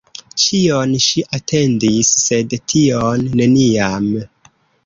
Ĉion ŝi atendis, sed tion — neniam.